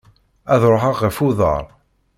Ad ruḥeɣ ɣef uḍar.